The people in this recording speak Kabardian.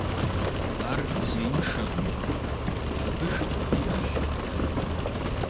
Ар зеиншэкъым, абы шыпхъу иӀэщ.